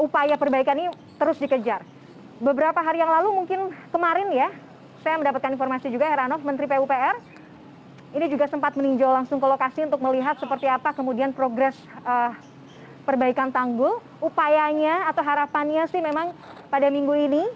pondok gede permai jatiasi pada minggu pagi